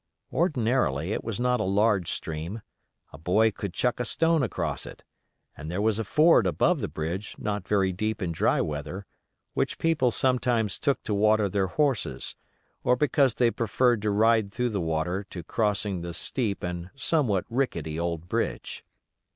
Ordinarily, it was not a large stream; a boy could chuck a stone across it, and there was a ford above the bridge not very deep in dry weather, which people sometimes took to water their horses, or because they preferred to ride through the water to crossing the steep and somewhat rickety old bridge.